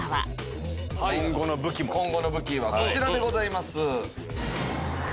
今後の武器はこちらでございます。